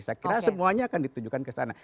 saya kira semuanya akan ditujukan ke sana